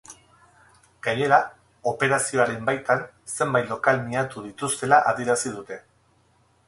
Gainera, operazioaren baitan, zenbait lokal miatu dituztela adierazi dute.